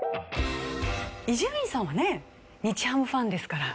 伊集院さんはね日ハムファンですから。